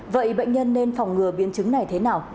vậy bệnh nhân nên phòng ngừa biến chứng này thế nào